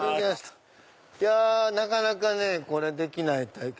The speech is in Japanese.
いやなかなかねできない体験。